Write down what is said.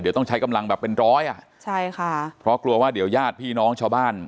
เดี๋ยวต้องใช้กำลังแบบเป็นร้อยอ่ะใช่ค่ะเพราะกลัวว่าเดี๋ยวญาติพี่น้องชาวบ้าน